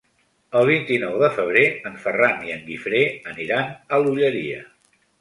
El vint-i-nou de febrer en Ferran i en Guifré aniran a l'Olleria.